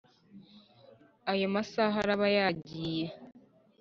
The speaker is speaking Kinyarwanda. ayo masaha araba yagiye